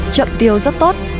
chậm tiêu rất tốt